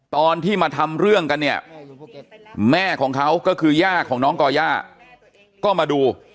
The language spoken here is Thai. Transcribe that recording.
ตอนที่มาทำเรื่องกันเนี่ยแม่ของเขาก็คือย่าของน้องก่อย่าก็มาดู